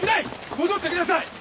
戻ってきなさい！